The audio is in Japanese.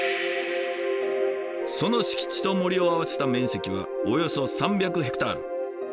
その敷地と森を合わせた面積はおよそ３００ヘクタール。